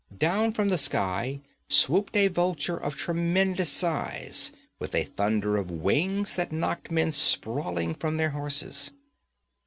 _' Down from the sky swooped a vulture of tremendous size with a thunder of wings that knocked men sprawling from their horses.